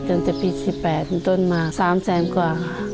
จนจะปี๑๘จนต้นมา๓แสนกว่า